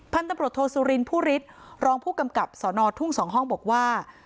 พันธุ์ตำรวจโทษสุรินผู้ฤทธิ์รองผู้กำกับสอนอทุ่ง๒ห้องบอกว่า